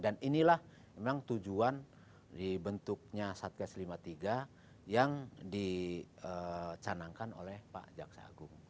dan inilah memang tujuan di bentuknya satgas lima puluh tiga yang dicanangkan oleh pak jaksa agung